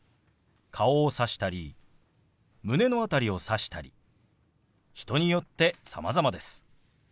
顔をさしたり胸の辺りをさしたり人によってさまざまです。